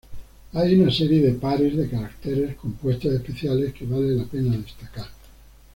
Hay una serie de pares de caracteres compuestos especiales que vale la pena destacar.